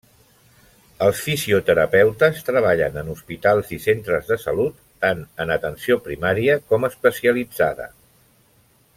Els fisioterapeutes treballen en hospitals i Centres de Salut, tant en atenció primària com especialitzada.